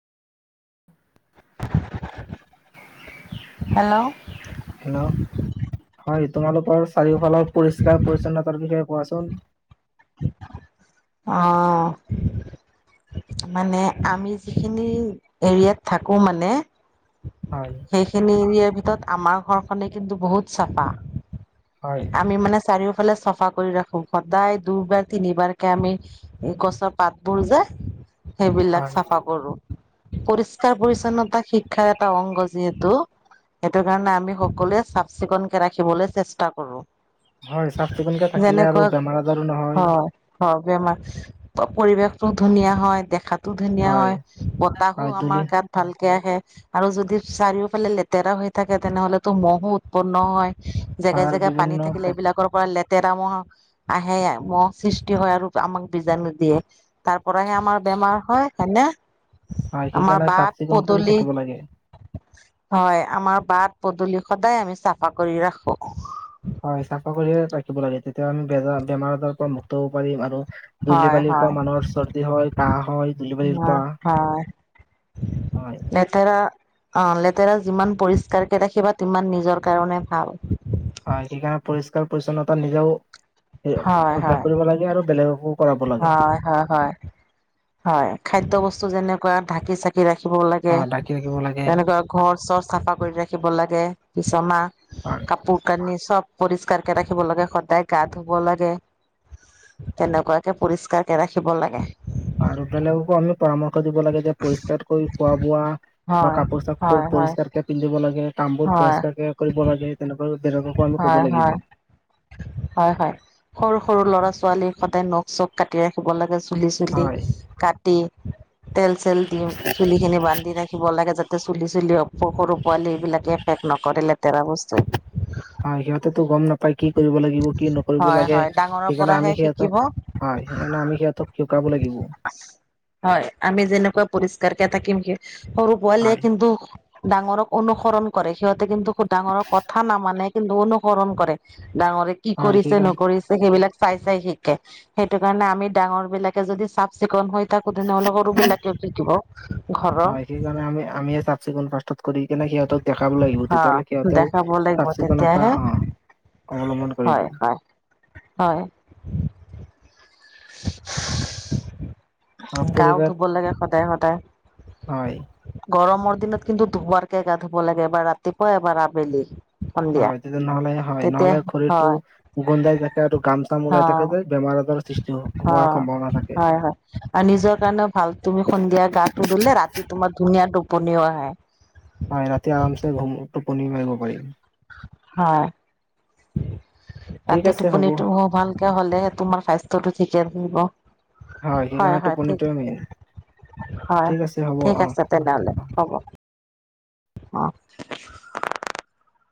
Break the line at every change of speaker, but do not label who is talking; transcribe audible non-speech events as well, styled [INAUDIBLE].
Hello
hello হয় তোমালোকৰ চাৰিওফালৰ পৰিষ্কাৰ পৰিচ্ছন্নতাৰ বিষয়ে কোৱাচোন
অ' মানে আমি যিখিনি এৰিয়াত থাকোঁ মানে
হয়
সেইখিনি এৰিয়াৰ ভিতৰত আমাৰ ঘৰখনেই কিন্তু বহুত চাফা
হয়
আমি মানে চাৰিও ফালে চাফা কৰি ৰাখো সদায় দুবাৰ তিনিবাৰ আমি গছৰ পাতবোৰ যে সেইবিলাক
হয়
চাফা কৰোঁ। পৰিস্কাৰ পৰিচ্ছন্নতা শিক্ষাৰ এটা অংগ যিহেতু, সেইটো কাৰণে আমি সকলোৱে চাফ চিকুনকে ৰাখিবলৈ চেষ্টা কৰো।
হয় চাফ চিকুণকে থাকিলে আৰু
যেনেকুৱা
বেমাৰ আজাৰো নহয়
হয় হয় বেমাৰ পৰিৱেশতটো ধুনীয়া হয় দেখাত ধুনীয়া হয় বতাহো
হয় ধূলি
আমাৰ গাত ভালকে [UNINTELLIGIBLE] আৰু যদি চাৰিওফালে লেতেৰা হৈ থাকে তেনেহ'লে তো মহো উৎপন্ন হয়। জেগাই
সাৰ
জেগাই
বিভিন্ন
পানী থাকিলে
প্ৰ-
এইবিলাকৰ পৰা লেত [UNINTELLIGIBLE] মই আহে মই অফিছ [UNINTELLIGIBLE] হয় আৰু আমাক বীজাণু দিয়ে তাৰ পৰাহে আমাৰ বেমাৰ হয় হয়নে
হয়
আমাৰ
সেইকাৰণে
বাট
চাফ চিকুণ কৰি
পদূলি
থাকিব লাগে
হয় আমাৰ বাট পদলি সদায় আমি চাফা কৰি ৰাখো
হয় চাফা কৰিয়ে ৰাখিব লাগে তেতিয়া আমি বেজাৰ বেমাৰ আজাৰৰ পৰা মুক্ত হ'ব পাৰিম আৰু ধূলি
হয়
বালিৰ
হয়
পৰা মানুহৰ চৰ্দি হয় কাহ হয় ধুলি বালিৰ পৰা
হয়
হয়
লেতেৰা অ লেতেৰা যিমান পৰিষ্কাৰকে ৰাখিবা তিমান নিজৰ কাৰণে ভাল
হয় সেইকাৰণে পৰিষ্কাৰ পৰিচ্ছন্নতা নিজেও
হয়, হয়,
অভ্যাস কৰিব লাগে আৰু বেলেগকো কৰাব লাগে
হয় হয় হয় হয় খাদ্য বস্তু যেনেকুৱা [UNINTELLIGIBLE] ৰাখিবও লাগে,
বা ঢাকি ৰাখিব লাগে
তেনেকুৱা ঘৰ চৰ চাফা কৰি ৰাখিব লাগে। বিসমা
হয়
কাপোৰ কানি চব। পৰিষ্কাৰকে ৰাখিব লাগে, সদায় গা-ধুব লাগে। তেনেকুৱা। পৰিষ্কাৰকে ৰাখিব লাগে।
আৰু বেলেগকো আমি পৰামৰ্শ [UNINTELLIGIBLE] দিব লাগে যে পৰিষ্কাৰকৈ খোৱা বোৱা বা
হয়,
কাপোৰ চাপুৰ
হয়, হয়,
পৰিষ্কাৰকে পিন্ধিব লাগে। কামবোৰ
হয়,
পৰিস্কাৰকে কৰিব লাগে, তেনেকুৱা। বেলেগকো আমি ক'ব
হয়
লাগিব
হয় হয় হয়, সৰু সৰু। ল'ৰা ছোৱালী সদায় নখ চখ কাটি ৰাখিব লাগে। চুলি-চুলি
হয়
কাটি তেল-চেল দি চুলি খিনি বান্ধি ৰাখিব লাগে। যাতে, চুলি চুলি [UNINTELLIGIBLE] সৰু পোৱালী এইবিলাকে এফেক নকৰে লেতেৰা বস্তুৱে।
হয় সিহঁতেতো গম নাপাই কি কৰিব লাগিব, কি নকৰিব
হয়
লাগে
হয় ডাঙৰৰ
সেইকাৰণে
পৰাহে
আমি সিহঁতক
শিকিব
হয়, সেইকাৰণে আমি সিহঁতক শিকাব লাগিব।
হয় আমি যেনেকুৱা [UNINTELLIGIBLE] সৰু পোৱালিয়ে
হয়
কিন্তু ডাঙৰক অনুসৰণ কৰে সিহঁতে কিন্তু খুব ডাঙৰক ক কথা নামানে, কিন্তু অনুসৰণ কৰে। ডাঙৰে কি
হয়
কৰিছে,
সেইকাৰণে
নকৰিছে সেইবিলাক। চাই চাই শিকে, সেইটো কাৰণে আমি ডাঙৰ বিলাকে যদি চাফ চিকুণ হৈ তাকো তেনে সৰু বিলাকেও শিকিব ঘৰৰ।
হয় সেইকাৰণে আমি আমিয়ে চাফ চিকুণ ফাৰ্ষ্টত কৰি কেনে সিহঁতক দেখাব লাগিব
অ
তেতিয়াহলে সিহঁতেও
দেখাব লাগিব
চাফ চিকুণতা,
তেতিয়াহে
আহ', অৱলম্বন কৰিব।
হয় হয়
আৰু
[INAUDIBLE]
পৰিৱেশ
গাও-ধুব লাগে সদায় সদায়।
হয়
গৰমৰ দিনত কিন্তু ধোৱাৰ [UNINTELLIGIBLE] গা ধুব লাগে এবাৰ ৰাতিপুৱা এবাৰ আবেলি। সন্ধিয়া,
হয় তেতিয়া নহ'লে হয়
তেতিয়া,
নহ'লে শৰীৰটো
হয়,
গোন্ধাই থাকে আৰু ঘাম চাম ওলাই থাকে
অ',
যে বেমাৰ আজাৰৰ সৃষ্টি হ-
অ,
হোৱাৰ সম্ভাৱনা
'
থাকে।
হয় হয়, আৰু নিজৰ কাৰণেও ভাল তুমি সন্ধিয়া গাটো ধুলে ৰাতি তোমাৰ ধুনীয়া টো পনিও আহে।
হয়, ৰাতি আৰামছে ঘুম-টোপনি মাৰিব পাৰি।
হয়।
ঠিক
ৰাতি
আছে হ'ব
টোপনিটো ভালকে হলে তোমাৰ স্বাস্থ্যটো ঠিকে থাকিব। হয়
সেইকাৰণে
হয়,
টোপনিটোৱে মেইন
ঠিক, হয়,
ঠিক আছে হ'ব
ঠিক
অ'।
আছে
অ',
তেনেহলে হ'ব। অ'।